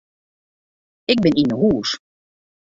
Ik bin yn 'e hûs.